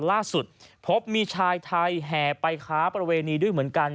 ล่าสุดพบมีชายไทยแห่ไปค้าประเวณีด้วยเหมือนกัน